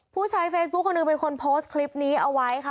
ผู้ใช้เฟซบุ๊คคนหนึ่งเป็นคนโพสต์คลิปนี้เอาไว้ค่ะ